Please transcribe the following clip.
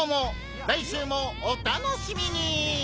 来週もお楽しみに！